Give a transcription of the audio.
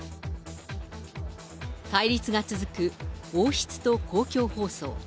対立が続く王室と公共放送。